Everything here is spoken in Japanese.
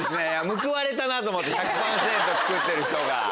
報われたな！と思って１００％作ってる人が。